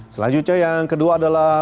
selanjutnya yang kedua adalah